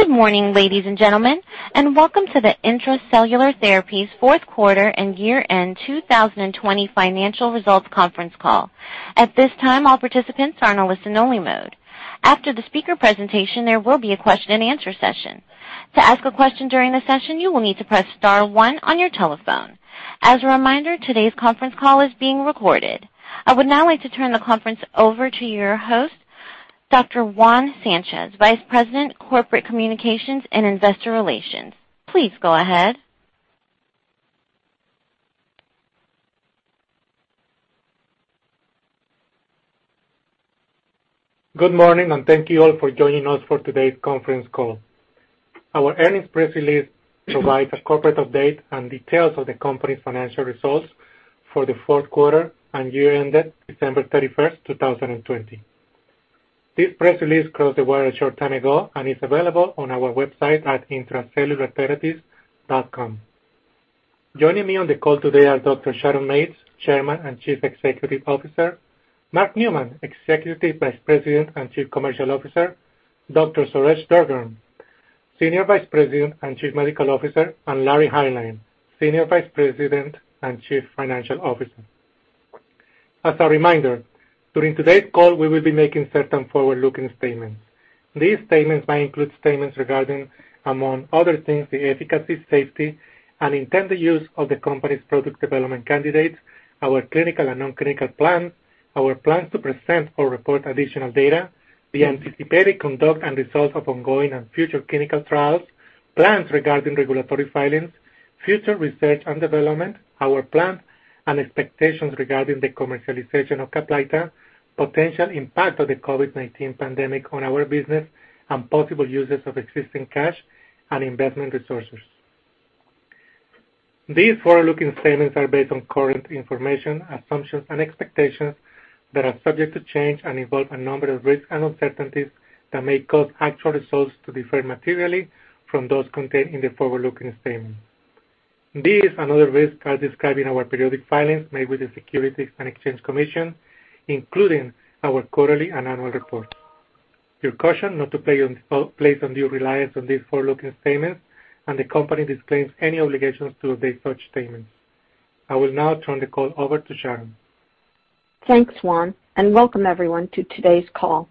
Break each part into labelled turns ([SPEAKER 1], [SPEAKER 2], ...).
[SPEAKER 1] Good morning, ladies and gentlemen, and welcome to the Intra-Cellular Therapies fourth quarter and year-end 2020 financial results conference call. At this time, all participants are in listen only mode. After the speaker presentation, there will be a question and answer session. To ask a question during the session, you will need to press star one on your telephone. As a reminder, today's conference call is being recorded. I would now like to turn the conference over to your host, Dr. Juan Sanchez, Vice President, Corporate Communications and Investor Relations. Please go ahead.
[SPEAKER 2] Good morning, thank you all for joining us for today's conference call. Our earnings press release provides a corporate update and details of the company's financial results for the fourth quarter and year ended December 31st, 2020. This press release closed the wire a short time ago and is available on our website at intracellulartherapies.com. Joining me on the call today are Dr. Sharon Mates, Chairman and Chief Executive Officer, Mark Neumann, Executive Vice President and Chief Commercial Officer, Dr. Suresh Durgam, Senior Vice President and Chief Medical Officer, and Larry Hineline, Senior Vice President and Chief Financial Officer. As a reminder, during today's call, we will be making certain forward-looking statements. These statements may include statements regarding, among other things, the efficacy, safety, and intended use of the company's product development candidates, our clinical and non-clinical plans, our plans to present or report additional data, the anticipated conduct and results of ongoing and future clinical trials, plans regarding regulatory filings, future research and development, our plans and expectations regarding the commercialization of CAPLYTA, potential impact of the COVID-19 pandemic on our business, and possible uses of existing cash and investment resources. These forward-looking statements are based on current information, assumptions, and expectations that are subject to change and involve a number of risks and uncertainties that may cause actual results to differ materially from those contained in the forward-looking statements. These and other risks are described in our periodic filings made with the Securities and Exchange Commission, including our quarterly and annual report. We caution not to place undue reliance on these forward-looking statements. The company disclaims any obligation to update such statements. I will now turn the call over to Sharon.
[SPEAKER 3] Thanks, Juan, and welcome everyone to today's call.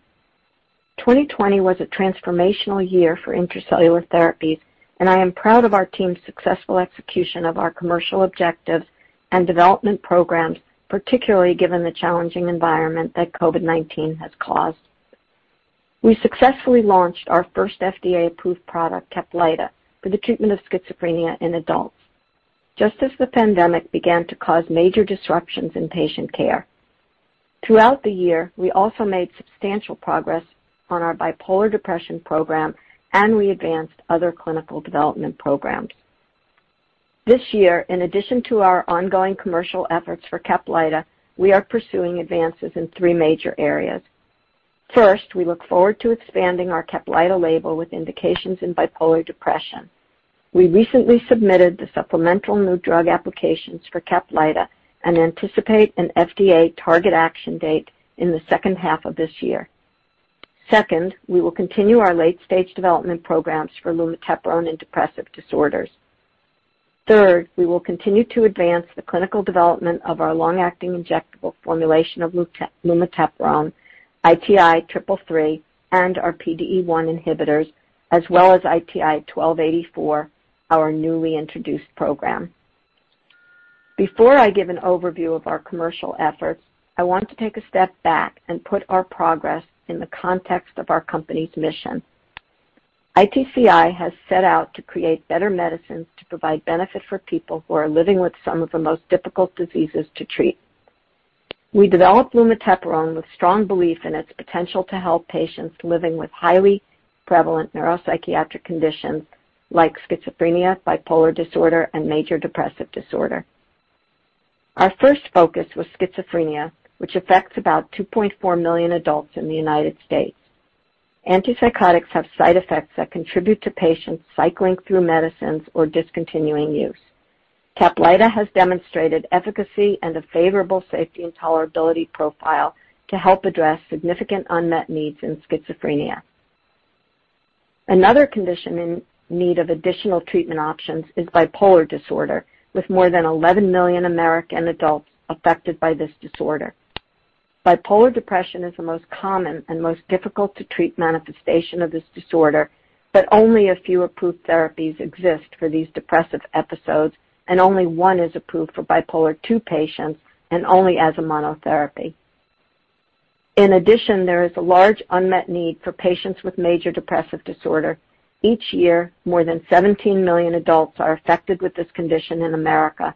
[SPEAKER 3] 2020 was a transformational year for Intra-Cellular Therapies, and I am proud of our team's successful execution of our commercial objectives and development programs, particularly given the challenging environment that COVID-19 has caused. We successfully launched our first FDA-approved product, CAPLYTA, for the treatment of schizophrenia in adults just as the pandemic began to cause major disruptions in patient care. Throughout the year, we also made substantial progress on our bipolar depression program and we advanced other clinical development programs. This year, in addition to our ongoing commercial efforts for CAPLYTA, we are pursuing advances in three major areas. First, we look forward to expanding our CAPLYTA label with indications in bipolar depression. We recently submitted the supplemental new drug applications for CAPLYTA and anticipate an FDA target action date in the second half of this year. Second, we will continue our late-stage development programs for lumateperone in depressive disorders. Third, we will continue to advance the clinical development of our long-acting injectable formulation of lumateperone, ITI-003, and our PDE1 inhibitors, as well as ITI-1284, our newly introduced program. Before I give an overview of our commercial efforts, I want to take a step back and put our progress in the context of our company's mission. Intra-Cellular Therapies has set out to create better medicines to provide benefit for people who are living with some of the most difficult diseases to treat. We developed lumateperone with strong belief in its potential to help patients living with highly prevalent neuropsychiatric conditions like schizophrenia, bipolar disorder, and Major Depressive Disorder. Our first focus was schizophrenia, which affects about 2.4 million adults in the U.S. Antipsychotics have side effects that contribute to patients cycling through medicines or discontinuing use. CAPLYTA has demonstrated efficacy and a favorable safety and tolerability profile to help address significant unmet needs in schizophrenia. Another condition in need of additional treatment options is bipolar disorder, with more than 11 million American adults affected by this disorder. Bipolar depression is the most common and most difficult to treat manifestation of this disorder, but only a few approved therapies exist for these depressive episodes, and only one is approved for bipolar II patients and only as a monotherapy. In addition, there is a large unmet need for patients with major depressive disorder. Each year, more than 17 million adults are affected with this condition in America.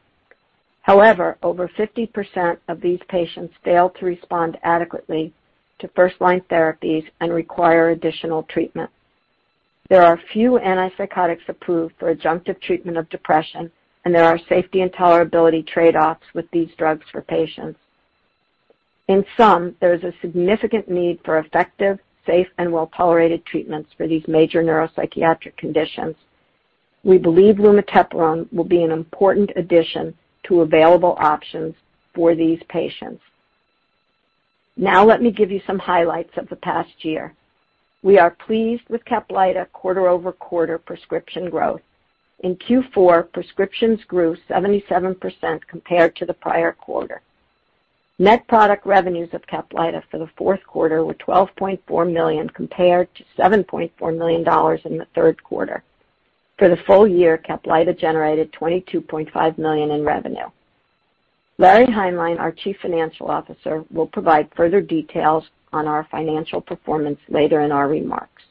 [SPEAKER 3] Over 50% of these patients fail to respond adequately to first-line therapies and require additional treatment. There are few antipsychotics approved for adjunctive treatment of depression, and there are safety and tolerability trade-offs with these drugs for patients. In sum, there is a significant need for effective, safe, and well-tolerated treatments for these major neuropsychiatric conditions. We believe lumateperone will be an important addition to available options for these patients. Now let me give you some highlights of the past year. We are pleased with CAPLYTA quarter-over-quarter prescription growth. In Q4, prescriptions grew 77% compared to the prior quarter. Net product revenues of CAPLYTA for the fourth quarter were $12.4 million compared to $7.4 million in the third quarter. For the full year, CAPLYTA generated $22.5 million in revenue. Larry Hineline, our Chief Financial Officer, will provide further details on our financial performance later in our remarks.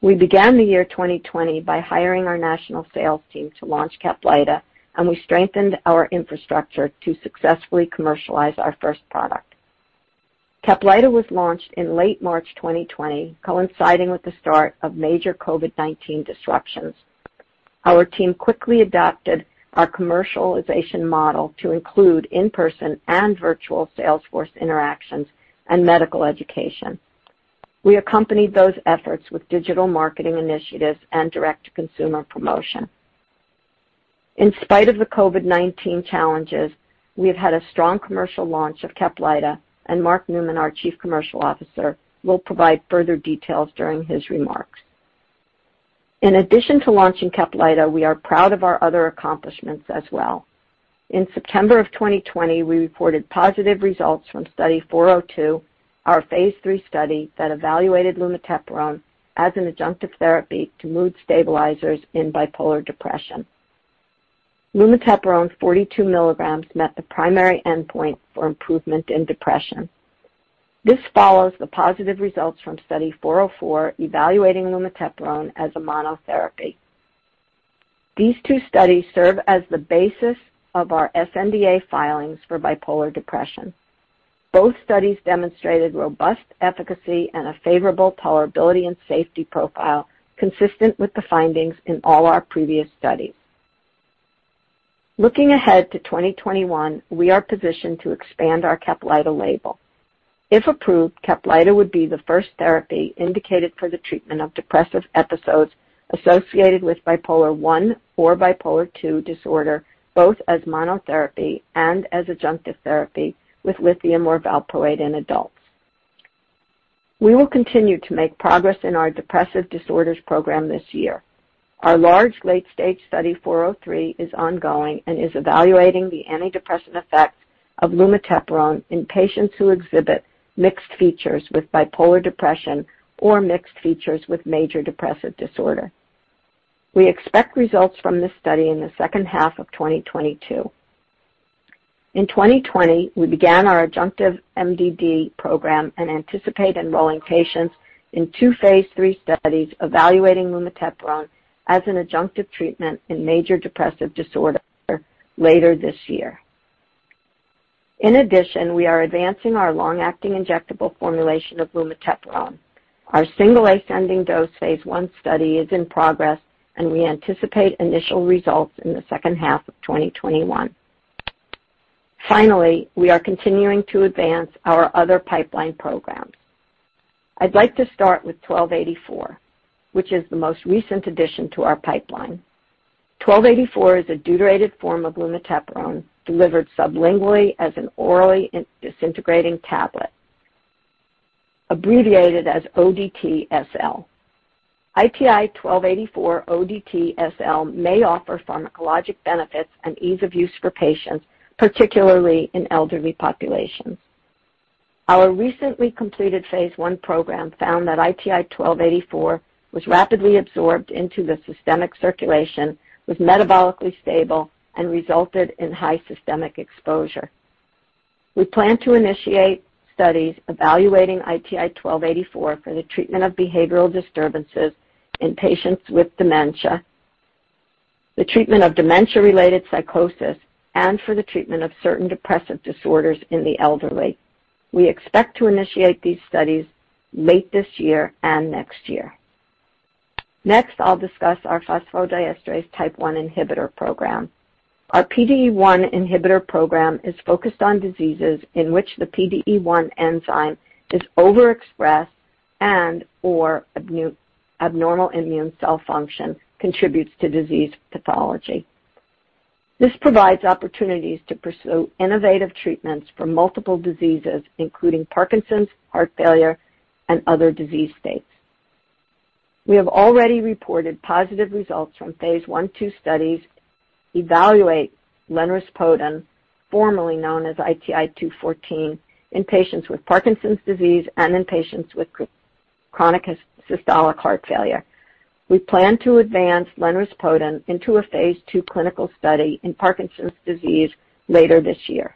[SPEAKER 3] We began the year 2020 by hiring our national sales team to launch CAPLYTA, and we strengthened our infrastructure to successfully commercialize our first product. CAPLYTA was launched in late March 2020, coinciding with the start of major COVID-19 disruptions. Our team quickly adopted our commercialization model to include in-person and virtual sales force interactions and medical education. We accompanied those efforts with digital marketing initiatives and direct-to-consumer promotion. In spite of the COVID-19 challenges, we have had a strong commercial launch of CAPLYTA, and Mark Neumann, our Chief Commercial Officer, will provide further details during his remarks. In addition to launching CAPLYTA, we are proud of our other accomplishments as well. In September of 2020, we reported positive results from Study 402, our phase III study that evaluated lumateperone as an adjunctive therapy to mood stabilizers in bipolar depression. Lumateperone 42 mg met the primary endpoint for improvement in depression. This follows the positive results from Study 404 evaluating lumateperone as a monotherapy. These two studies serve as the basis of our sNDA filings for bipolar depression. Both studies demonstrated robust efficacy and a favorable tolerability and safety profile consistent with the findings in all our previous studies. Looking ahead to 2021, we are positioned to expand our CAPLYTA label. If approved, CAPLYTA would be the first therapy indicated for the treatment of depressive episodes associated with bipolar I or bipolar II disorder, both as monotherapy and as adjunctive therapy with lithium or valproate in adults. We will continue to make progress in our depressive disorders program this year. Our large, late-stage Study 403 is ongoing and is evaluating the antidepressant effect of lumateperone in patients who exhibit mixed features with bipolar depression or mixed features with major depressive disorder. We expect results from this study in the second half of 2022. In 2020, we began our adjunctive MDD Program and anticipate enrolling patients in two phase III studies evaluating lumateperone as an adjunctive treatment in major depressive disorder later this year. In addition, we are advancing our long-acting injectable formulation of lumateperone. Our single ascending-dose phase I study is in progress, and we anticipate initial results in the second half of 2021. We are continuing to advance our other pipeline programs. I'd like to start with ITI-1284, which is the most recent addition to our pipeline. ITI-1284 is a deuterated form of lumateperone delivered sublingually as an orally disintegrating tablet, abbreviated as ODT-SL. ITI-1284 ODT-SL may offer pharmacologic benefits and ease of use for patients, particularly in elderly populations. Our recently completed phase I program found that ITI-1284 was rapidly absorbed into the systemic circulation, was metabolically stable, and resulted in high systemic exposure. We plan to initiate studies evaluating ITI-1284 for the treatment of behavioral disturbances in patients with dementia, the treatment of dementia-related psychosis, and for the treatment of certain depressive disorders in the elderly. We expect to initiate these studies late this year and next year. Next, I'll discuss our phosphodiesterase type 1 inhibitor program. Our PDE1 inhibitor program is focused on diseases in which the PDE1 enzyme is overexpressed and/or abnormal immune cell function contributes to disease pathology. This provides opportunities to pursue innovative treatments for multiple diseases, including Parkinson's, heart failure, and other disease states. We have already reported positive results from phase I-II studies evaluating lenrispodun, formerly known as ITI-214, in patients with Parkinson's disease and in patients with chronic systolic heart failure. We plan to advance lenrispodun into a phase II clinical study in Parkinson's disease later this year.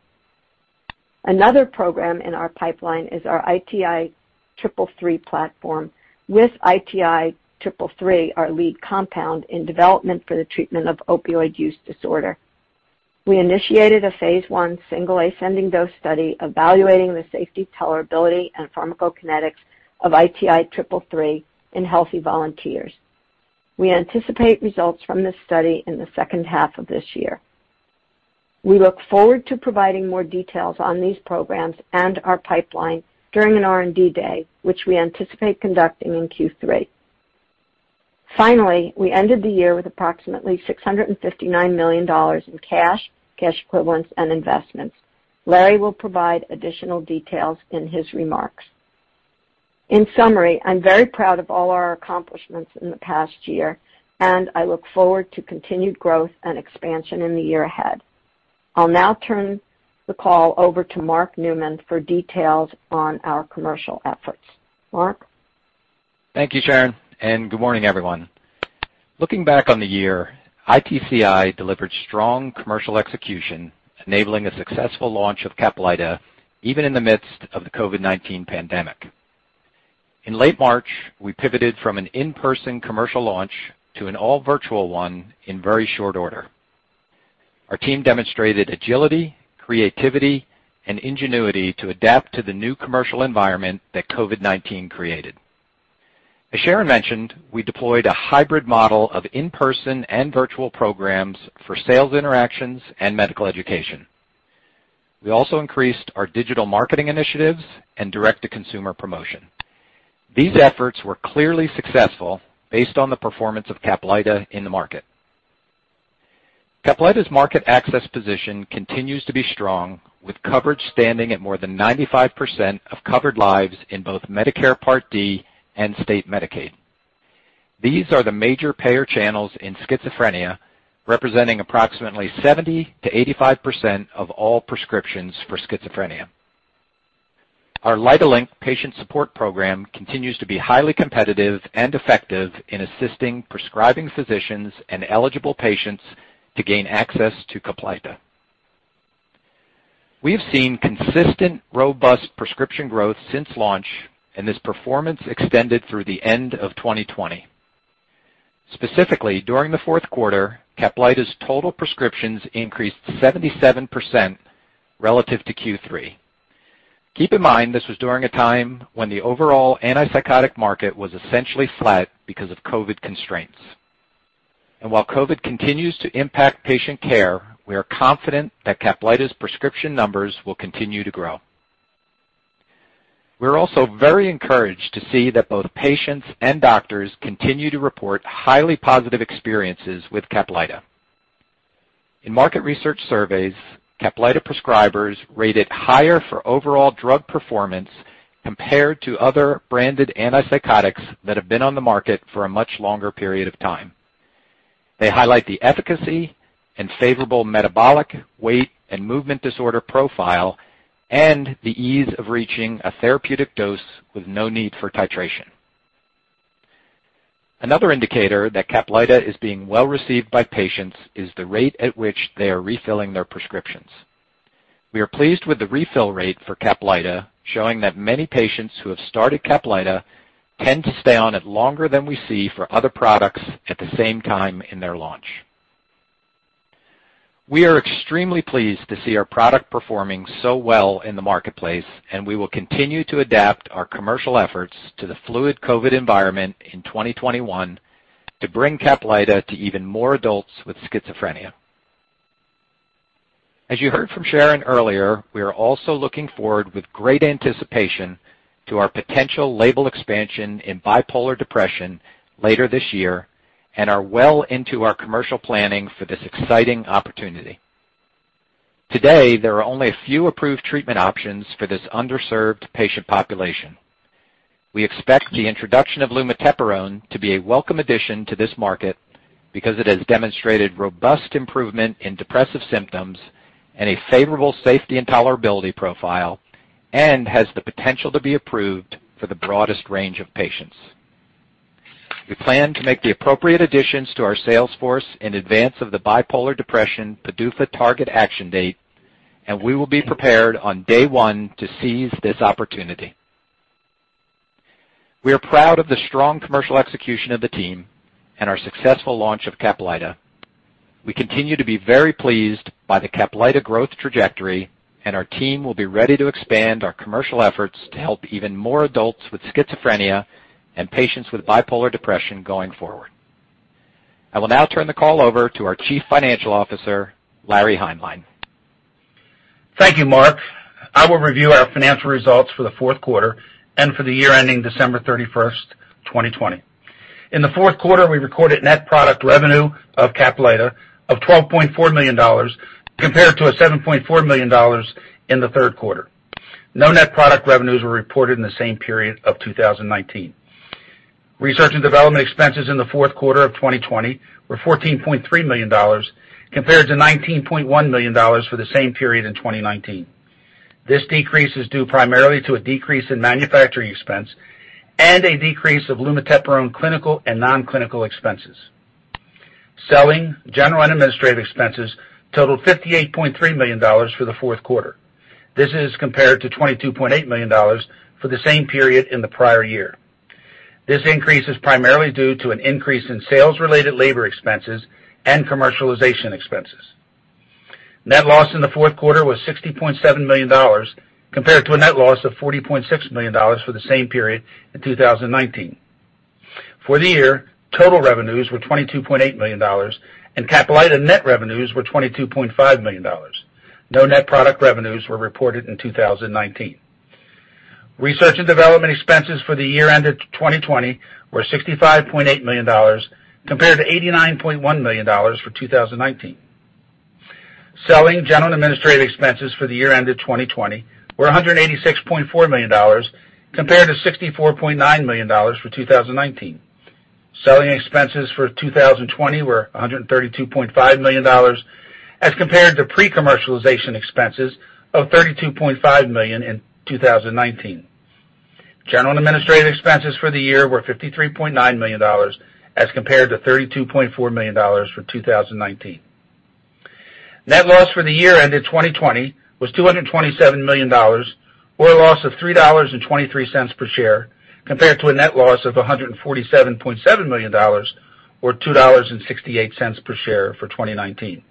[SPEAKER 3] Another program in our pipeline is our ITI-333 platform with ITI-333 our lead compound in development for the treatment of opioid use disorder. We initiated a phase I single ascending-dose study evaluating the safety, tolerability, and pharmacokinetics of ITI-333 in healthy volunteers. We anticipate results from this study in the second half of this year. We look forward to providing more details on these programs and our pipeline during an R&D day, which we anticipate conducting in Q3. Finally, we ended the year with approximately $659 million in cash equivalents, and investments. Larry will provide additional details in his remarks. In summary, I'm very proud of all our accomplishments in the past year, and I look forward to continued growth and expansion in the year ahead. I'll now turn the call over to Mark Neumann for details on our commercial efforts. Mark?
[SPEAKER 4] Thank you, Sharon. Good morning, everyone. Looking back on the year, ITCI delivered strong commercial execution, enabling a successful launch of CAPLYTA even in the midst of the COVID-19 pandemic. In late March, we pivoted from an in-person commercial launch to an all virtual one in very short order. Our team demonstrated agility, creativity and ingenuity to adapt to the new commercial environment that COVID-19 created. As Sharon mentioned, we deployed a hybrid model of in-person and virtual programs for sales interactions and medical education. We also increased our digital marketing initiatives and direct-to-consumer promotion. These efforts were clearly successful based on the performance of CAPLYTA in the market. CAPLYTA's market access position continues to be strong, with coverage standing at more than 95% of covered lives in both Medicare Part D and state Medicaid. These are the major payer channels in schizophrenia, representing approximately 70%-85% of all prescriptions for schizophrenia. Our LYTAlink patient support program continues to be highly competitive and effective in assisting prescribing physicians and eligible patients to gain access to CAPLYTA. We have seen consistent, robust prescription growth since launch, this performance extended through the end of 2020. Specifically, during the fourth quarter, CAPLYTA's total prescriptions increased 77% relative to Q3. Keep in mind, this was during a time when the overall antipsychotic market was essentially flat because of COVID constraints. While COVID continues to impact patient care, we are confident that CAPLYTA's prescription numbers will continue to grow. We're also very encouraged to see that both patients and doctors continue to report highly positive experiences with CAPLYTA. In market research surveys, CAPLYTA prescribers rate it higher for overall drug performance compared to other branded antipsychotics that have been on the market for a much longer period of time. They highlight the efficacy and favorable metabolic weight and movement disorder profile and the ease of reaching a therapeutic dose with no need for titration. Another indicator that CAPLYTA is being well-received by patients is the rate at which they are refilling their prescriptions. We are pleased with the refill rate for CAPLYTA, showing that many patients who have started CAPLYTA tend to stay on it longer than we see for other products at the same time in their launch. We are extremely pleased to see our product performing so well in the marketplace, and we will continue to adapt our commercial efforts to the fluid COVID environment in 2021 to bring CAPLYTA to even more adults with schizophrenia. As you heard from Sharon earlier, we are also looking forward with great anticipation to our potential label expansion in bipolar depression later this year and are well into our commercial planning for this exciting opportunity. Today, there are only a few approved treatment options for this underserved patient population. We expect the introduction of lumateperone to be a welcome addition to this market because it has demonstrated robust improvement in depressive symptoms and a favorable safety and tolerability profile and has the potential to be approved for the broadest range of patients. We plan to make the appropriate additions to our sales force in advance of the bipolar depression PDUFA target action date, and we will be prepared on day one to seize this opportunity. We are proud of the strong commercial execution of the team and our successful launch of CAPLYTA. We continue to be very pleased by the CAPLYTA growth trajectory, and our team will be ready to expand our commercial efforts to help even more adults with schizophrenia and patients with bipolar depression going forward. I will now turn the call over to our Chief Financial Officer, Larry Hineline.
[SPEAKER 5] Thank you, Mark. I will review our financial results for the fourth quarter and for the year ending December 31st, 2020. In the fourth quarter, we recorded net product revenue of CAPLYTA of $12.4 million compared to $7.4 million in the third quarter. No net product revenues were reported in the same period of 2019. Research and development expenses in the fourth quarter of 2020 were $14.3 million compared to $19.1 million for the same period in 2019. This decrease is due primarily to a decrease in manufacturing expense and a decrease of lumateperone clinical and non-clinical expenses. Selling, general and administrative expenses totaled $58.3 million for the fourth quarter. This is compared to $22.8 million for the same period in the prior year. This increase is primarily due to an increase in sales-related labor expenses and commercialization expenses. Net loss in the fourth quarter was $60.7 million, compared to a net loss of $40.6 million for the same period in 2019. For the year, total revenues were $22.8 million, and CAPLYTA net revenues were $22.5 million. No net product revenues were reported in 2019. Research and development expenses for the year ended 2020 were $65.8 million compared to $89.1 million for 2019. Selling, general, and administrative expenses for the year ended 2020 were $186.4 million compared to $64.9 million for 2019. Selling expenses for 2020 were $132.5 million as compared to pre-commercialization expenses of $32.5 million in 2019. General and administrative expenses for the year were $53.9 million as compared to $32.4 million for 2019. Net loss for the year ended 2020 was $227 million, or a loss of $3.23 per share, compared to a net loss of $147.7 million or $2.68 per share for 2019.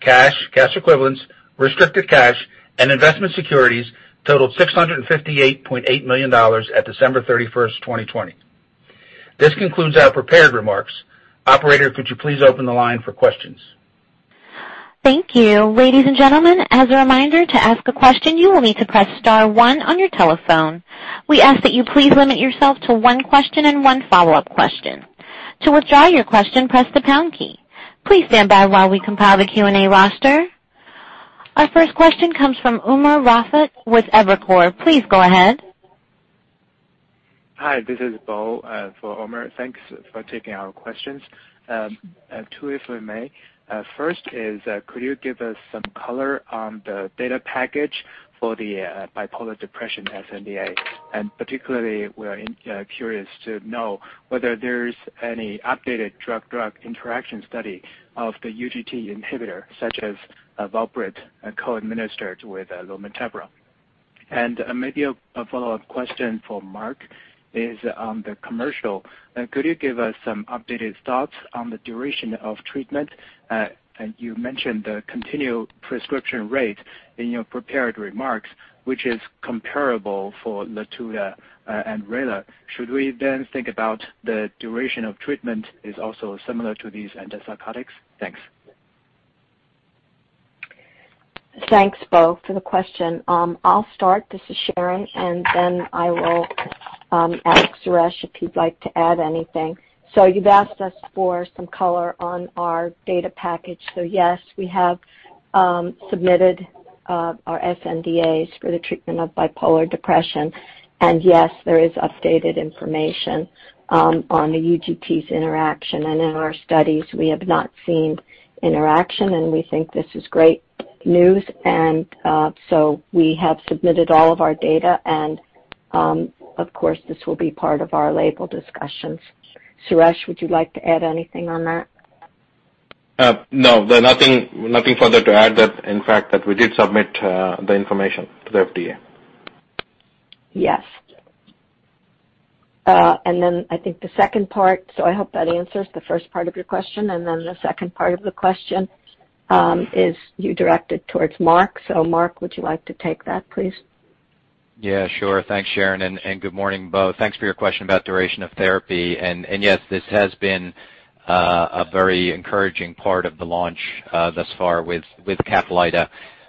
[SPEAKER 5] Cash, cash equivalents, restricted cash, and investment securities totaled $658.8 million at December 31st, 2020. This concludes our prepared remarks. Operator, could you please open the line for questions?
[SPEAKER 1] Thank you. Ladies and gentlemen, as a reminder, to ask a question, you will need to press star one on your telephone. We ask that you please limit yourself to one question and one follow-up question. To withdraw your question, press the pound key. Please stand by while we compile the Q&A roster. Our first question comes from Umer Raffat with Evercore. Please go ahead.
[SPEAKER 6] Hi, this is Bo for Umer. Thanks for taking our questions. Two, if I may. First is, could you give us some color on the data package for the bipolar depression sNDA? Particularly, we are curious to know whether there is any updated drug-drug interaction study of the UGT inhibitor, such as valproate co-administered with lumateperone. Maybe a follow-up question for Mark is on the commercial. Could you give us some updated thoughts on the duration of treatment? You mentioned the continual prescription rate in your prepared remarks, which is comparable for Latuda and VRAYLAR. Should we then think about the duration of treatment is also similar to these antipsychotics? Thanks.
[SPEAKER 3] Thanks, Bo, for the question. I'll start. This is Sharon, and then I will ask Suresh if he'd like to add anything. You've asked us for some color on our data package. Yes, we have submitted our sNDAs for the treatment of bipolar depression. Yes, there is updated information on the UGTs interaction. In our studies, we have not seen interaction, and we think this is great news. We have submitted all of our data, and of course, this will be part of our label discussions. Suresh, would you like to add anything on that?
[SPEAKER 7] No. Nothing further to add that, in fact, that we did submit the information to the FDA.
[SPEAKER 3] Yes. I think the second part, I hope that answers the first part of your question, the second part of the question is you directed towards Mark. Mark, would you like to take that, please?
[SPEAKER 4] Yeah, sure. Thanks, Sharon. Good morning, Bo. Thanks for your question about duration of therapy. Yes, this has been a very encouraging part of the launch thus far with CAPLYTA.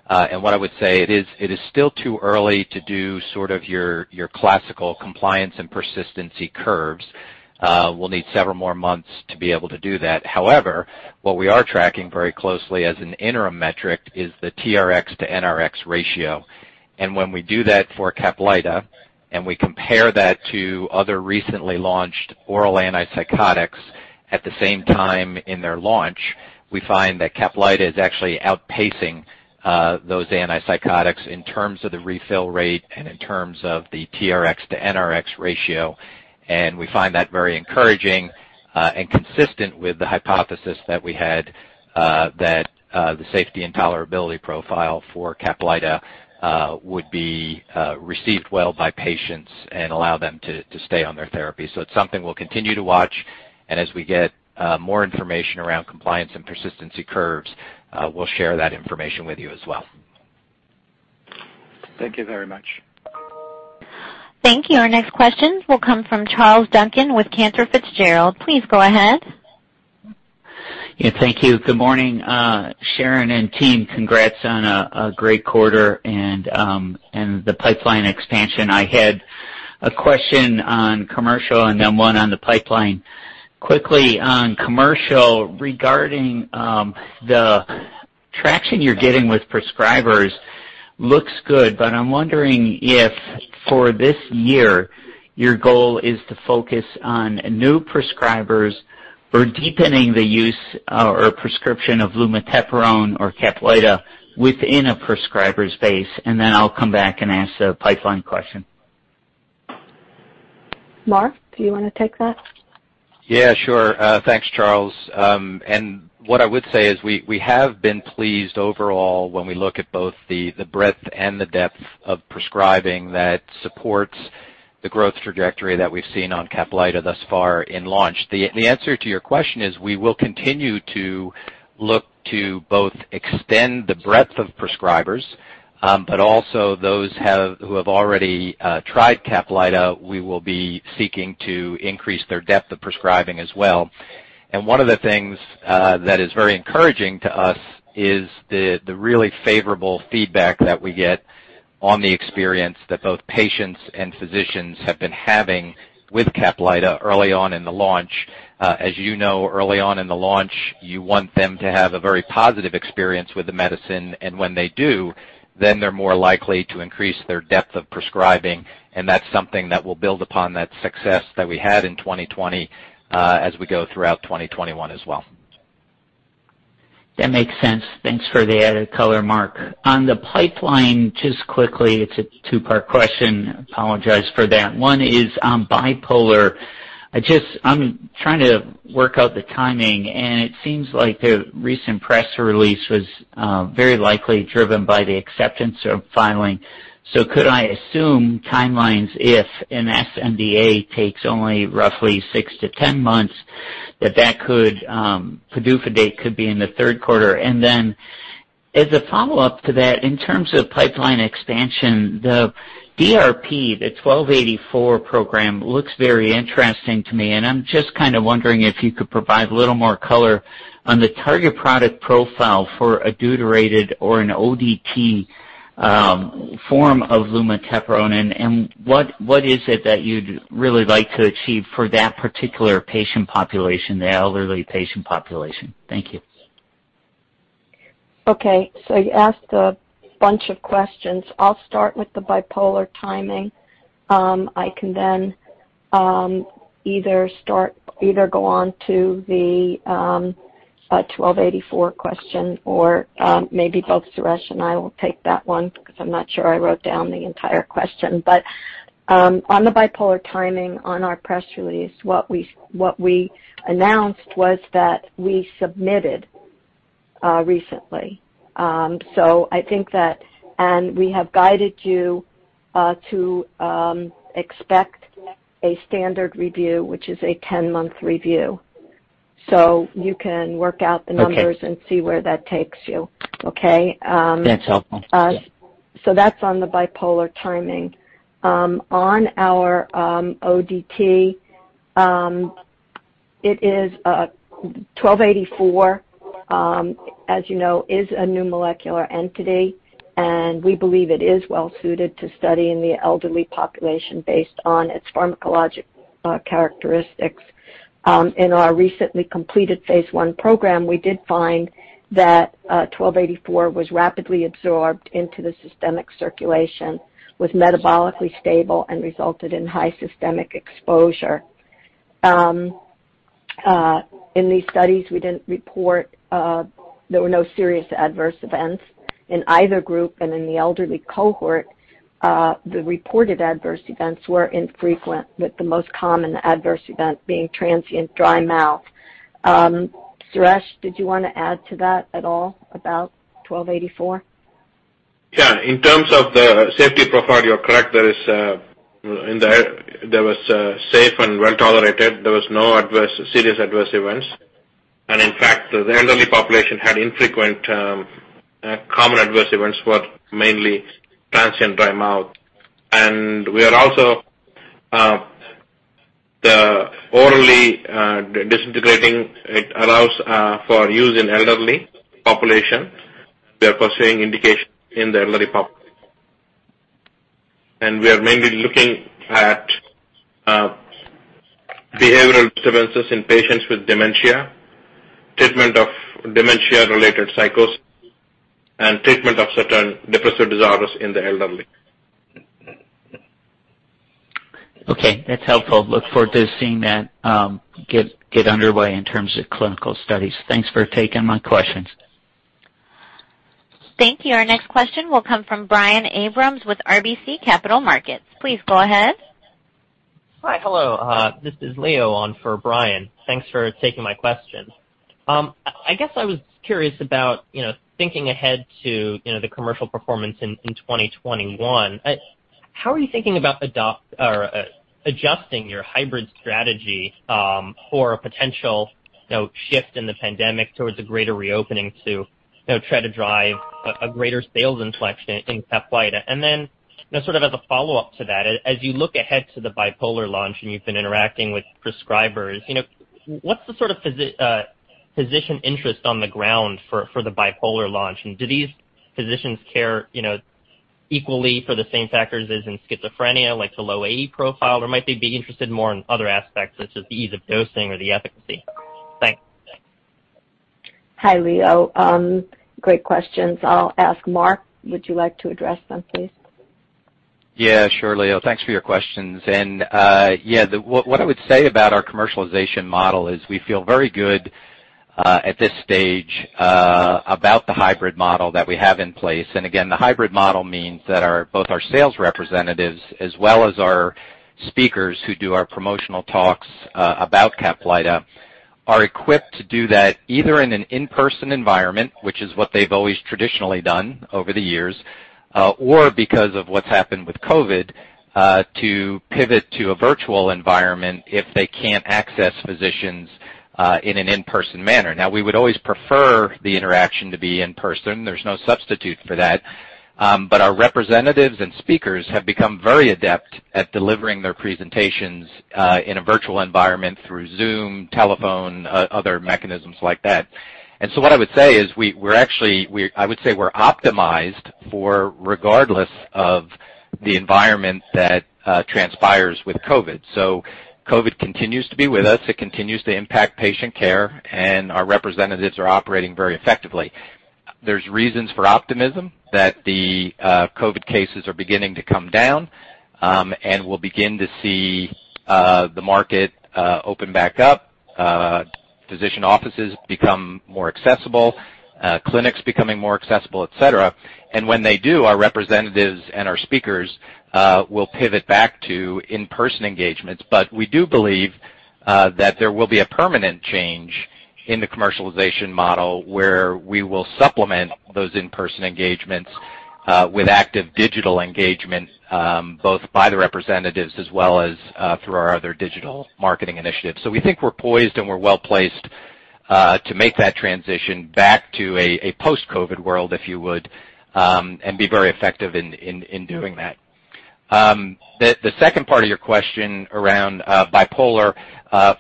[SPEAKER 4] What I would say, it is still too early to do sort of your classical compliance and persistency curves. We'll need several more months to be able to do that. However, what we are tracking very closely as an interim metric is the TRx to NRx ratio. When we do that for CAPLYTA, and we compare that to other recently launched oral antipsychotics at the same time in their launch, we find that CAPLYTA is actually outpacing those antipsychotics in terms of the refill rate and in terms of the TRx to NRx ratio. We find that very encouraging and consistent with the hypothesis that we had that the safety and tolerability profile for CAPLYTA would be received well by patients and allow them to stay on their therapy. It's something we'll continue to watch, and as we get more information around compliance and persistency curves, we'll share that information with you as well.
[SPEAKER 6] Thank you very much.
[SPEAKER 1] Thank you. Our next questions will come from Charles Duncan with Cantor Fitzgerald. Please go ahead.
[SPEAKER 8] Yeah, thank you. Good morning, Sharon and team. Congrats on a great quarter and the pipeline expansion. I had a question on commercial and then one on the pipeline. Quickly on commercial, regarding the traction you're getting with prescribers looks good, but I'm wondering if for this year, your goal is to focus on new prescribers or deepening the use or prescription of lumateperone or CAPLYTA within a prescriber's base, and then I'll come back and ask the pipeline question.
[SPEAKER 3] Mark, do you want to take that?
[SPEAKER 4] Yeah, sure. Thanks, Charles. What I would say is we have been pleased overall when we look at both the breadth and the depth of prescribing that supports the growth trajectory that we've seen on CAPLYTA thus far in launch. The answer to your question is we will continue to look to both extend the breadth of prescribers, but also those who have already tried CAPLYTA, we will be seeking to increase their depth of prescribing as well. One of the things that is very encouraging to us is the really favorable feedback that we get on the experience that both patients and physicians have been having with CAPLYTA early on in the launch. As you know, early on in the launch, you want them to have a very positive experience with the medicine. When they do, then they're more likely to increase their depth of prescribing, and that's something that will build upon that success that we had in 2020 as we go throughout 2021 as well.
[SPEAKER 8] That makes sense. Thanks for the added color, Mark. On the pipeline, just quickly, it's a two-part question. Apologize for that. One is on bipolar. I'm trying to work out the timing, and it seems like the recent press release was very likely driven by the acceptance of filing. Could I assume timelines if an sNDA takes only roughly 6-10 months, that that could, PDUFA date could be in the third quarter? As a follow-up to that, in terms of pipeline expansion, the DRP, the ITI-1284 program, looks very interesting to me, and I'm just kind of wondering if you could provide a little more color on the target product profile for a deuterated or an ODT form of lumateperone, and what is it that you'd really like to achieve for that particular patient population, the elderly patient population? Thank you.
[SPEAKER 3] Okay. You asked a bunch of questions. I'll start with the bipolar timing. I can then either go on to the ITI-1284 question or maybe both Suresh and I will take that one because I'm not sure I wrote down the entire question. On the bipolar timing on our press release, what we announced was that we submitted recently. I think that, and we have guided you to expect a standard review, which is a 10-month review. You can work out the numbers.
[SPEAKER 8] Okay
[SPEAKER 3] See where that takes you. Okay?
[SPEAKER 8] That's helpful. Yeah.
[SPEAKER 3] That's on the bipolar timing. On our ODT, it is ITI-1284, as you know, is a new molecular entity, and we believe it is well suited to study in the elderly population based on its pharmacologic characteristics. In our recently completed phase I program, we did find that ITI-1284 was rapidly absorbed into the systemic circulation, was metabolically stable, and resulted in high systemic exposure. In these studies, there were no serious adverse events in either group, and in the elderly cohort, the reported adverse events were infrequent, with the most common adverse event being transient dry mouth. Suresh, did you want to add to that at all about ITI-1284?
[SPEAKER 7] Yeah. In terms of the safety profile, you're correct. There was safe and well-tolerated. There was no serious adverse events. In fact, the elderly population had infrequent common adverse events, were mainly transient dry mouth. We are also, it allows for use in elderly population. We are pursuing indications in the elderly population, and we are mainly looking at behavioral disturbances in patients with dementia, treatment of dementia-related psychosis, and treatment of certain depressive disorders in the elderly.
[SPEAKER 8] Okay. That's helpful. Look forward to seeing that get underway in terms of clinical studies. Thanks for taking my questions.
[SPEAKER 1] Thank you. Our next question will come from Brian Abrahams with RBC Capital Markets. Please go ahead.
[SPEAKER 9] Hi. Hello. This is Leo on for Brian. Thanks for taking my question. I guess I was curious about thinking ahead to the commercial performance in 2021. How are you thinking about adjusting your hybrid strategy for a potential shift in the pandemic towards a greater reopening to try to drive a greater sales inflection in CAPLYTA? Sort of as a follow-up to that, as you look ahead to the bipolar launch and you've been interacting with prescribers, what's the sort of physician interest on the ground for the bipolar launch? Do these physicians care equally for the same factors as in schizophrenia, like the low AE profile? Might they be interested more in other aspects, such as the ease of dosing or the efficacy? Thanks.
[SPEAKER 3] Hi, Leo. Great questions. I'll ask Mark. Would you like to address them, please?
[SPEAKER 4] Yeah, sure, Leo. Thanks for your questions. What I would say about our commercialization model is we feel very good at this stage about the hybrid model that we have in place. Again, the hybrid model means that both our sales representatives as well as our speakers who do our promotional talks about CAPLYTA are equipped to do that either in an in-person environment, which is what they've always traditionally done over the years, or because of what's happened with COVID, to pivot to a virtual environment if they can't access physicians in an in-person manner. We would always prefer the interaction to be in person. There's no substitute for that. Our representatives and speakers have become very adept at delivering their presentations in a virtual environment through Zoom, telephone, other mechanisms like that. What I would say is, we're optimized for regardless of the environment that transpires with COVID. COVID continues to be with us. It continues to impact patient care, and our representatives are operating very effectively. There's reasons for optimism that the COVID cases are beginning to come down, and we'll begin to see the market open back up, physician offices become more accessible, clinics becoming more accessible, et cetera. When they do, our representatives and our speakers will pivot back to in-person engagements. We do believe that there will be a permanent change in the commercialization model, where we will supplement those in-person engagements with active digital engagement both by the representatives as well as through our other digital marketing initiatives. We think we're poised and we're well-placed to make that transition back to a post-COVID world, if you would, and be very effective in doing that. The second part of your question around bipolar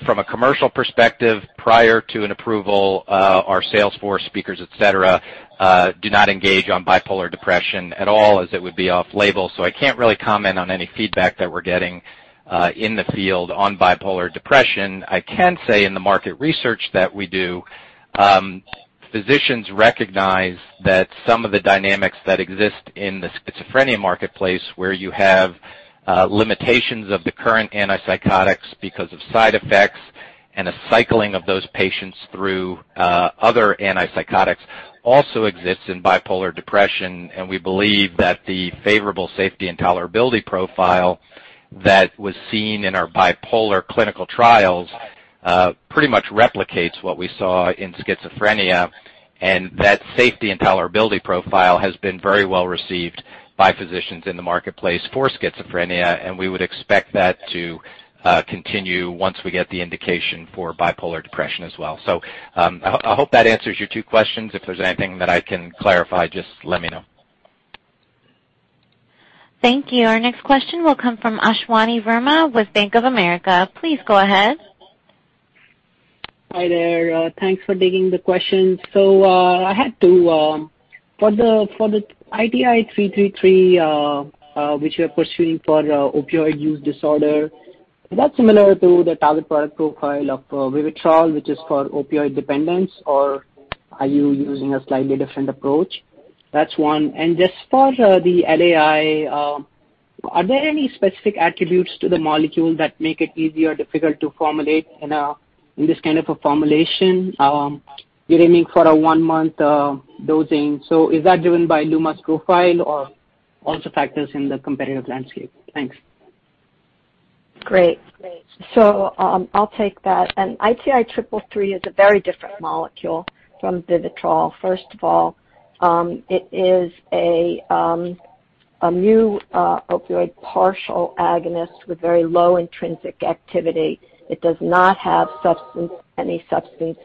[SPEAKER 4] from a commercial perspective, prior to an approval, our sales force speakers, et cetera, do not engage on bipolar depression at all as it would be off-label. I can't really comment on any feedback that we're getting in the field on bipolar depression. I can say in the market research that we do, physicians recognize that some of the dynamics that exist in the schizophrenia marketplace, where you have limitations of the current antipsychotics because of side effects and a cycling of those patients through other antipsychotics also exists in bipolar depression. We believe that the favorable safety and tolerability profile that was seen in our bipolar clinical trials pretty much replicates what we saw in schizophrenia. That safety and tolerability profile has been very well received by physicians in the marketplace for schizophrenia, and we would expect that to continue once we get the indication for bipolar depression as well. I hope that answers your two questions. If there's anything that I can clarify, just let me know.
[SPEAKER 1] Thank you. Our next question will come from Ashwani Verma with Bank of America. Please go ahead.
[SPEAKER 10] Hi there. Thanks for taking the question. For the ITI-333, which you are pursuing for opioid use disorder, is that similar to the target product profile of VIVITROL, which is for opioid dependence? Are you using a slightly different approach? That's one. Just for the LAI, are there any specific attributes to the molecule that make it easy or difficult to formulate in this kind of a formulation? You're aiming for a one-month dosing. Is that driven by lumateperone's profile or also factors in the competitive landscape? Thanks.
[SPEAKER 3] Great. I'll take that. ITI-333 is a very different molecule from VIVITROL. First of all, it is a new opioid partial agonist with very low intrinsic activity. It does not have any substance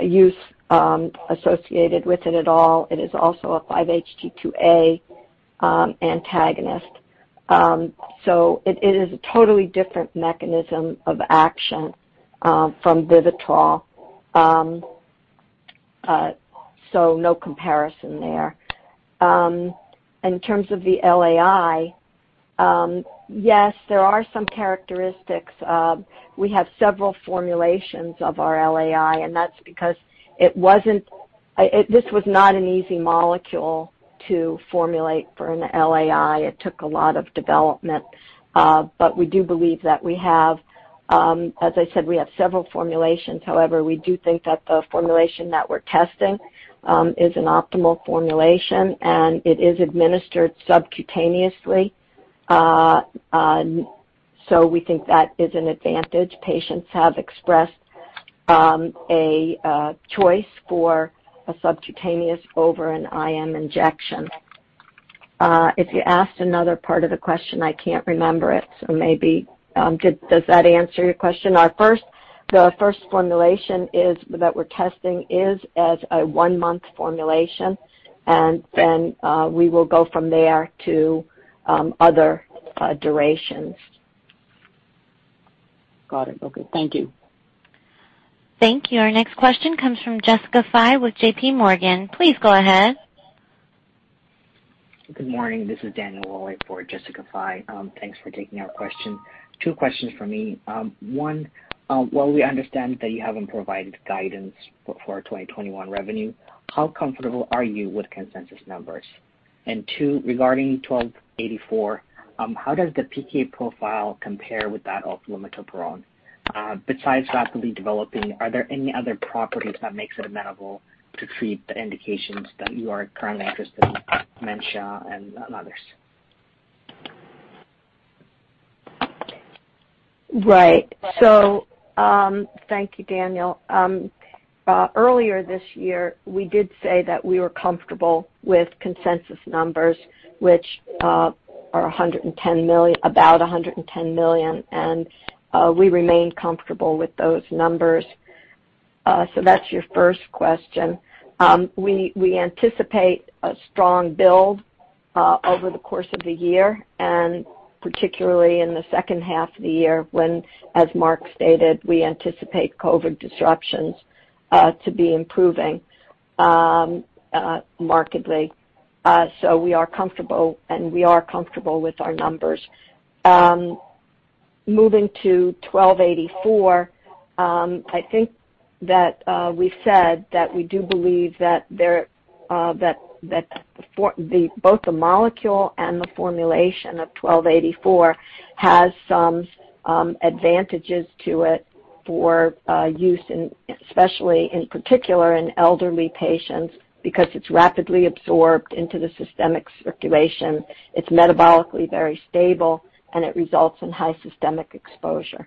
[SPEAKER 3] use associated with it at all. It is also a 5-HT2A antagonist. It is a totally different mechanism of action from VIVITROL. No comparison there. In terms of the LAI, yes, there are some characteristics. We have several formulations of our LAI, and that's because this was not an easy molecule to formulate for an LAI. It took a lot of development. We do believe that we have, as I said, we have several formulations. However, we do think that the formulation that we're testing is an optimal formulation, and it is administered subcutaneously. We think that is an advantage. Patients have expressed a choice for a subcutaneous over an IM injection. If you asked another part of the question, I can't remember it. Maybe, does that answer your question? The first formulation that we're testing is as a one-month formulation, and then we will go from there to other durations.
[SPEAKER 10] Got it. Okay. Thank you.
[SPEAKER 1] Thank you. Our next question comes from Jessica Fye with JPMorgan. Please go ahead.
[SPEAKER 11] Good morning. This is Daniel Wallach for Jessica Fye. Thanks for taking our question. Two questions from me. One, while we understand that you haven't provided guidance for 2021 revenue, how comfortable are you with consensus numbers? Two, regarding ITI-1284, how does the PK profile compare with that of lumateperone? Besides rapidly developing, are there any other properties that makes it amenable to treat the indications that you are currently interested in, dementia and others?
[SPEAKER 3] Right. Thank you, Daniel. Earlier this year, we did say that we were comfortable with consensus numbers, which are about $110 million, and we remain comfortable with those numbers. That's your first question. We anticipate a strong build over the course of the year, and particularly in the second half of the year when, as Mark stated, we anticipate COVID-19 disruptions to be improving markedly. We are comfortable, and we are comfortable with our numbers. Moving to ITI-1284, I think that we said that we do believe that both the molecule and the formulation of ITI-1284 has some advantages to it for use especially, in particular in elderly patients, because it's rapidly absorbed into the systemic circulation, it's metabolically very stable, and it results in high systemic exposure.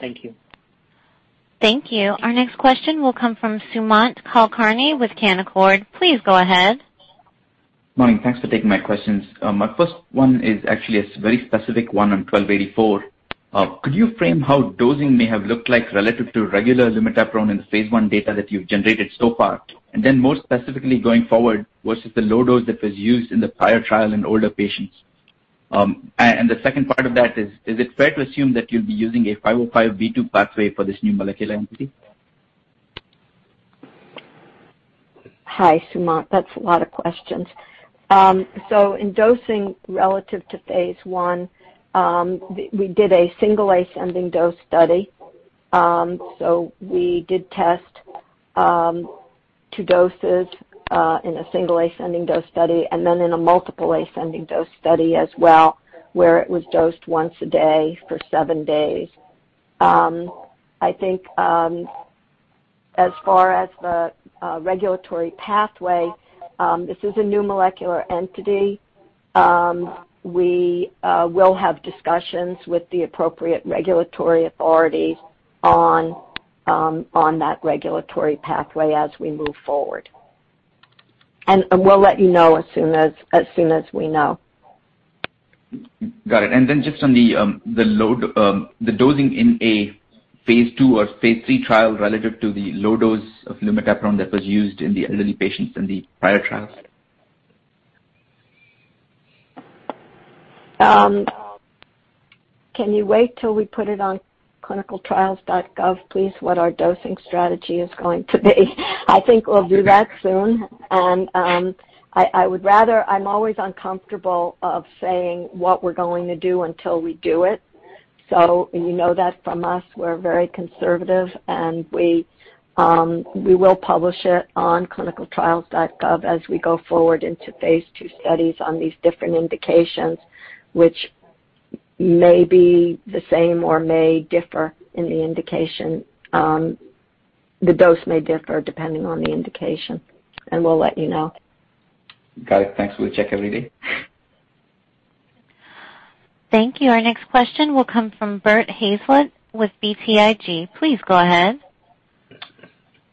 [SPEAKER 11] Thank you.
[SPEAKER 1] Thank you. Our next question will come from Sumant Kulkarni with Canaccord. Please go ahead.
[SPEAKER 12] Morning. Thanks for taking my questions. My first one is actually a very specific one on ITI-1284. Could you frame how dosing may have looked like relative to regular lumateperone in the phase I data that you've generated so far? Then more specifically going forward, versus the low dose that was used in the prior trial in older patients. The second part of that is it fair to assume that you'll be using a 505(b)(2) pathway for this new molecular entity?
[SPEAKER 3] Hi, Sumant. That's a lot of questions. In dosing relative to phase I, we did a single ascending dose study. We did test two doses in a single ascending dose study and then in a multiple ascending dose study as well, where it was dosed once a day for seven days. I think, as far as the regulatory pathway, this is a new molecular entity. We will have discussions with the appropriate regulatory authorities on that regulatory pathway as we move forward. We'll let you know as soon as we know.
[SPEAKER 12] Got it. Then just on the dosing in a phase II or phase III trial relative to the low dose of lumateperone that was used in the elderly patients in the prior trials.
[SPEAKER 3] Can you wait till we put it on clinicaltrials.gov, please, what our dosing strategy is going to be? I think we'll do that soon. I'm always uncomfortable of saying what we're going to do until we do it. You know that from us, we're very conservative, and we will publish it on clinicaltrials.gov as we go forward into phase II studies on these different indications, which may be the same or may differ in the indication. The dose may differ depending on the indication, and we'll let you know.
[SPEAKER 12] Got it. Thanks. We'll check every day.
[SPEAKER 1] Thank you. Our next question will come from Bert Hazlett with BTIG. Please go ahead.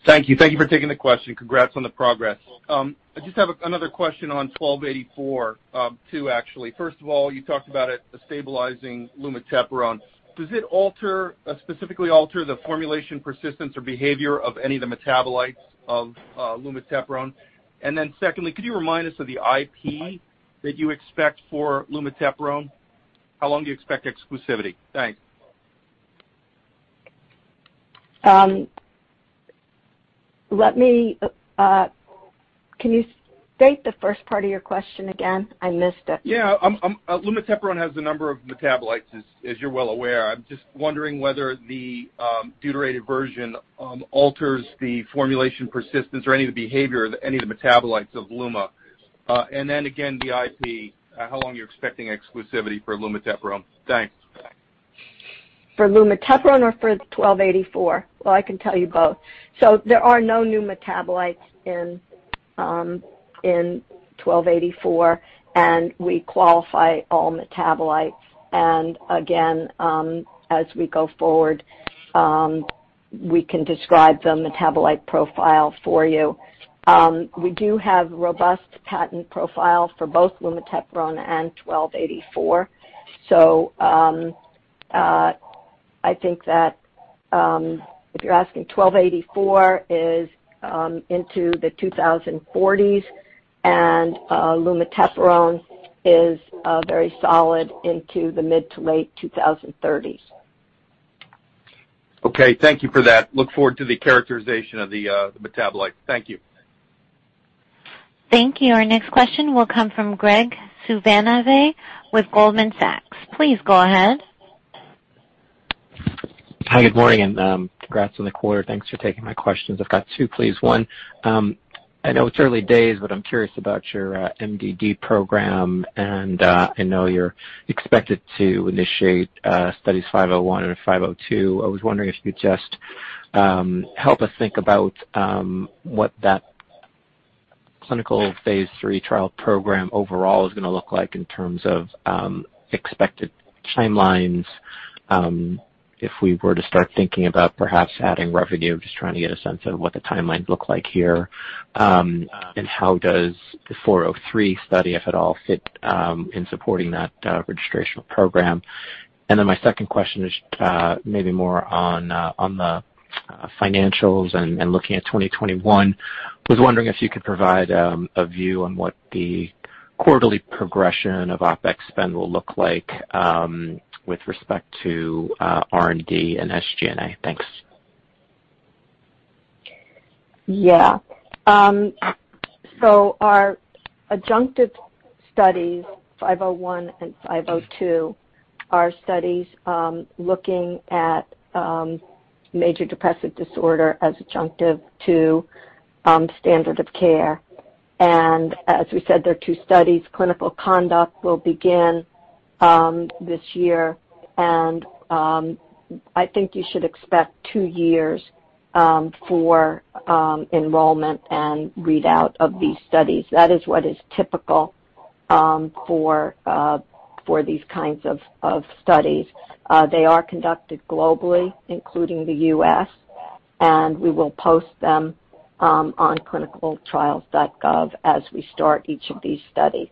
[SPEAKER 13] Thank you. Thank you for taking the question. Congrats on the progress. I just have another question on ITI-1284. Two, actually. First of all, you talked about it stabilizing lumateperone. Does it specifically alter the formulation persistence or behavior of any of the metabolites of lumateperone? Secondly, could you remind us of the IP that you expect for lumateperone? How long do you expect exclusivity? Thanks.
[SPEAKER 3] Can you state the first part of your question again? I missed it.
[SPEAKER 13] Yeah. lumateperone has a number of metabolites as you're well aware. I'm just wondering whether the deuterated version alters the formulation persistence or any of the behavior of any of the metabolites of lumateperone. Then again, the IP, how long you're expecting exclusivity for lumateperone. Thanks.
[SPEAKER 3] For lumateperone or for ITI-1284? Well, I can tell you both. There are no new metabolites in ITI-1284, and we qualify all metabolites. Again, as we go forward, we can describe the metabolite profile for you. We do have robust patent profile for both lumateperone and ITI-1284. I think that, if you're asking, ITI-1284 is into the 2040s, and lumateperone is very solid into the mid to late 2030s.
[SPEAKER 13] Okay. Thank you for that. Look forward to the characterization of the metabolite. Thank you.
[SPEAKER 1] Thank you. Our next question will come from Graig Suvannavejh with Goldman Sachs. Please go ahead.
[SPEAKER 14] Hi, good morning, and congrats on the quarter. Thanks for taking my questions. I've got two, please. One, I know it's early days, but I'm curious about your MDD program, and I know you're expected to initiate Study 501 and Study 502. I was wondering if you'd just help us think about what that clinical phase III trial program overall is going to look like in terms of expected timelines. If we were to start thinking about perhaps adding revenue, just trying to get a sense of what the timeline look like here. How does Study 403, if at all, fit in supporting that registrational program? My second question is maybe more on the financials and looking at 2021. I was wondering if you could provide a view on what the quarterly progression of OpEx spend will look like with respect to R&D and SG&A. Thanks.
[SPEAKER 3] Our adjunctive studies, Study 501 and Study 502, are studies looking at Major Depressive Disorder as adjunctive to standard of care. As we said, they're two studies. Clinical conduct will begin this year. I think you should expect two years for enrollment and readout of these studies. That is what is typical for these kinds of studies. They are conducted globally, including the U.S. We will post them on clinicaltrials.gov as we start each of these studies.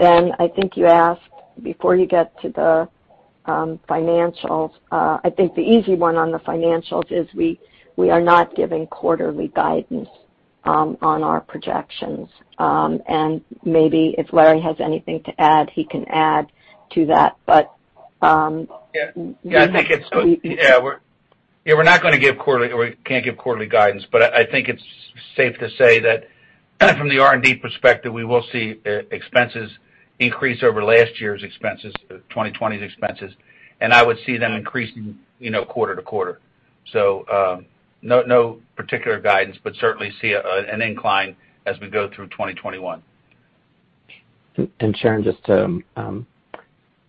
[SPEAKER 3] I think you asked, before you get to the financials, I think the easy one on the financials is we are not giving quarterly guidance on our projections. Maybe if Larry has anything to add, he can add to that.
[SPEAKER 5] Yeah, we're not going to give quarterly, or we can't give quarterly guidance, but I think it's safe to say that from the R&D perspective, we will see expenses increase over last year's expenses, 2020's expenses, and I would see them increasing quarter to quarter. No particular guidance, but certainly see an incline as we go through 2021.
[SPEAKER 14] Sharon, just to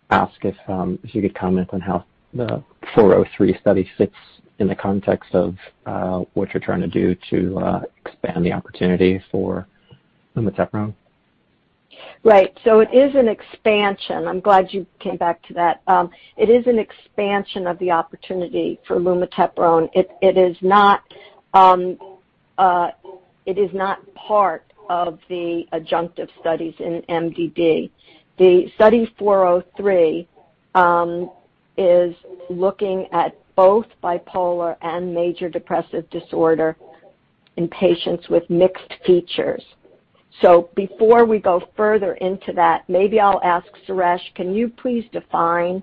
[SPEAKER 14] ask if you could comment on how the Study 403 fits in the context of what you're trying to do to expand the opportunity for lumateperone?
[SPEAKER 3] Right. It is an expansion. I'm glad you came back to that. It is an expansion of the opportunity for lumateperone. It is not part of the adjunctive studies in MDD. The Study 403 is looking at both bipolar and major depressive disorder in patients with mixed features. Before we go further into that, maybe I'll ask Suresh, can you please define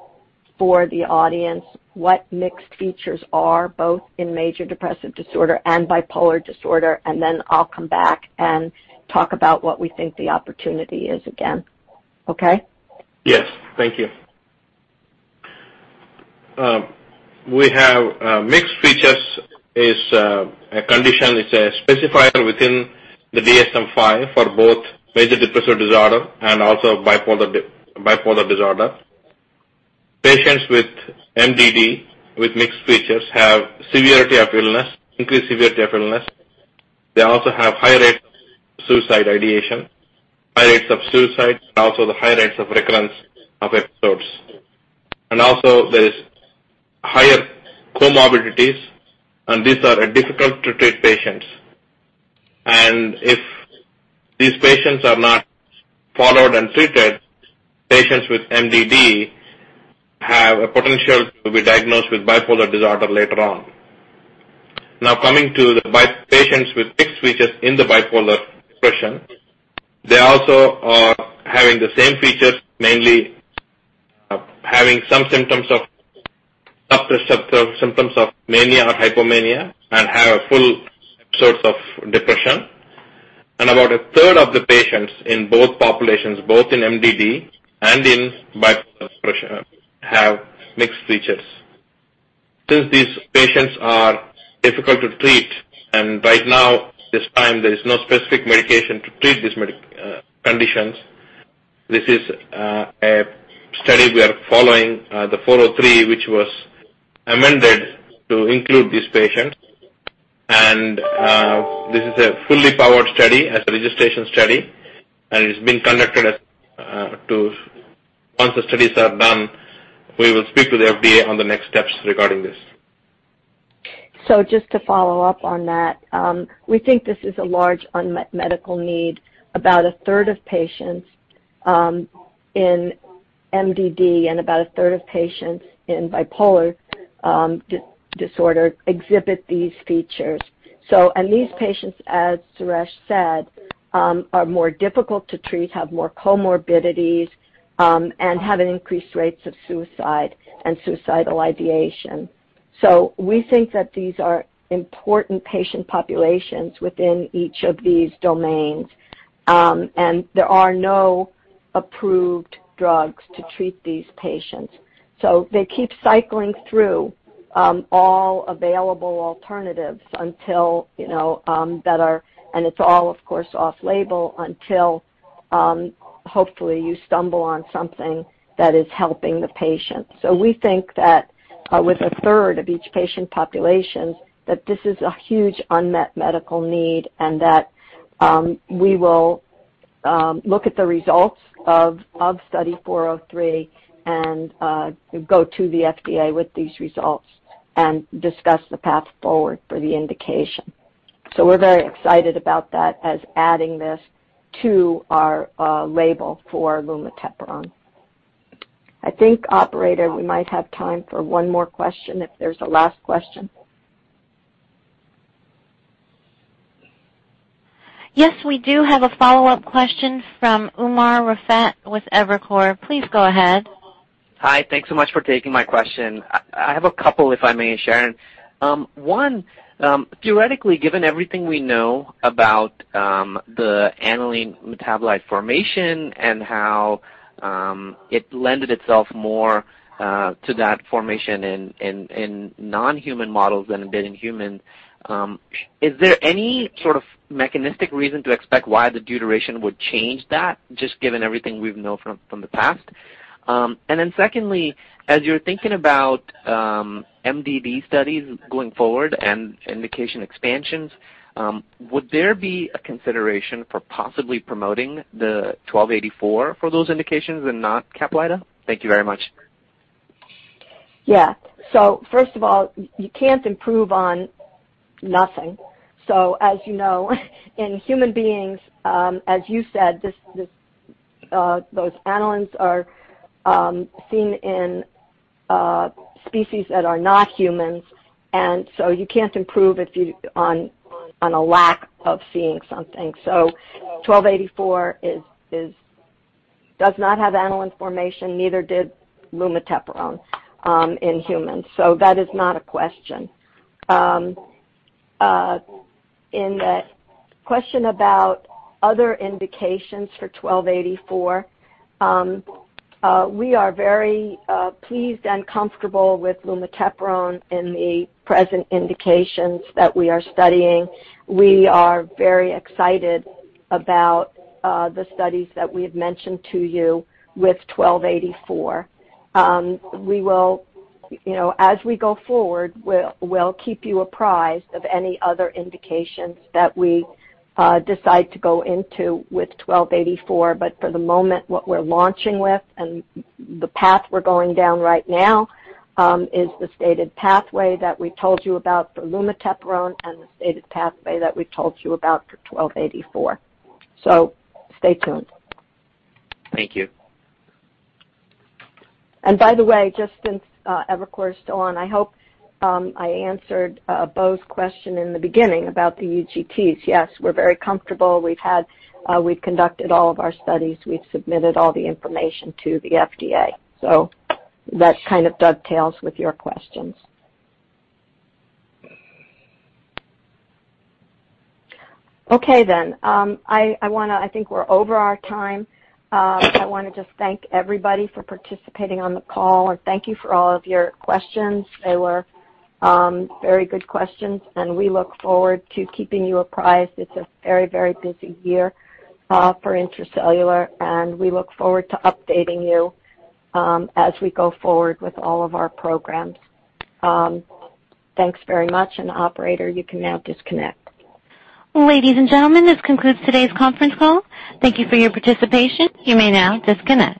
[SPEAKER 3] for the audience what mixed features are, both in major depressive disorder and bipolar disorder? Then I'll come back and talk about what we think the opportunity is again. Okay?
[SPEAKER 7] Yes. Thank you. We have mixed features is a condition, it's specified within the DSM-5 for both major depressive disorder and also bipolar disorder. Patients with MDD with mixed features have severity of illness, increased severity of illness. They also have high rate of suicide ideation, high rates of suicide, and also the high rates of recurrence of episodes. Also, there is higher comorbidities, and these are difficult to treat patients. If these patients are not followed and treated, patients with MDD have a potential to be diagnosed with bipolar disorder later on. Now coming to the patients with mixed features in the bipolar depression, they also are having the same features, mainly having some symptoms of, not the symptoms of mania or hypomania, and have a full course of depression. About a third of the patients in both populations, both in MDD and in bipolar depression, have mixed features. Since these patients are difficult to treat, and right now, this time, there is no specific medication to treat these conditions. This is a study we are following, Study 403, which was amended to include these patients. This is a fully powered study, a registration study, and it's been conducted to, once the studies are done, we will speak to the FDA on the next steps regarding this.
[SPEAKER 3] Just to follow up on that. We think this is a large unmet medical need. About a third of patients in MDD and about a third of patients in bipolar disorder exhibit these features. These patients, as Suresh said, are more difficult to treat, have more comorbidities, and have an increased rates of suicide and suicidal ideation. We think that these are important patient populations within each of these domains, and there are no approved drugs to treat these patients. They keep cycling through all available alternatives, and it's all, of course, off-label until, hopefully, you stumble on something that is helping the patient. We think that with a third of each patient population, that this is a huge unmet medical need and that we will look at the results of Study 403 and go to the FDA with these results and discuss the path forward for the indication. We're very excited about that as adding this to our label for lumateperone. I think, operator, we might have time for one more question if there's a last question?
[SPEAKER 1] Yes, we do have a follow-up question from Umer Raffat with Evercore. Please go ahead.
[SPEAKER 15] Hi. Thanks so much for taking my question. I have a couple, if I may, Sharon. One, theoretically, given everything we know about the aniline metabolite formation and how it lended itself more to that formation in non-human models than it did in humans, is there any sort of mechanistic reason to expect why the deuteration would change that, just given everything we know from the past? Secondly, as you're thinking about MDD studies going forward and indication expansions, would there be a consideration for possibly promoting the ITI-1284 for those indications and not CAPLYTA? Thank you very much.
[SPEAKER 3] First of all, you can't improve on nothing. As you know, in human beings, as you said, those anilines are seen in species that are not humans, you can't improve on a lack of seeing something. ITI-1284 does not have aniline formation. Neither did lumateperone in humans. That is not a question. In the question about other indications for ITI-1284, we are very pleased and comfortable with lumateperone in the present indications that we are studying. We are very excited about the studies that we have mentioned to you with ITI-1284. As we go forward, we'll keep you apprised of any other indications that we decide to go into with ITI-1284. For the moment, what we're launching with and the path we're going down right now is the stated pathway that we told you about for lumateperone and the stated pathway that we told you about for ITI-1284. Stay tuned.
[SPEAKER 15] Thank you.
[SPEAKER 3] By the way, just since Evercore is still on, I hope I answered Bo's question in the beginning about the UGTs. Yes, we're very comfortable. We've conducted all of our studies. We've submitted all the information to the FDA. That kind of dovetails with your questions. Okay, then. I think we're over our time. I want to just thank everybody for participating on the call. Thank you for all of your questions. They were very good questions. We look forward to keeping you apprised. It's a very busy year for Intra-Cellular. We look forward to updating you as we go forward with all of our programs. Thanks very much. Operator, you can now disconnect.
[SPEAKER 1] Ladies and gentlemen, this concludes today's conference call. Thank you for your participation. You may now disconnect.